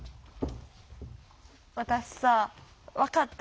私さ分かった。